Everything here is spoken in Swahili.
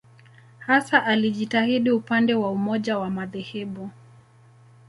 Hasa alijitahidi upande wa umoja wa madhehebu.